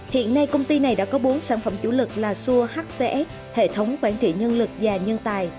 hiện nay công ty này đã có bốn sản phẩm chủ lực là xua hẽ hệ thống quản trị nhân lực và nhân tài